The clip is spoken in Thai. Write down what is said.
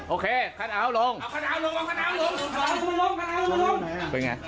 ออกไปออกมาไง